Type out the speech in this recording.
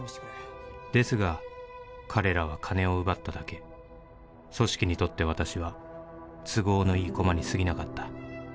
「ですが彼らは金を奪っただけ」「組織にとって私は都合のいい駒に過ぎなかった」